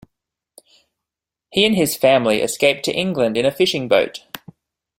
He and his family escaped to England in a fishing boat.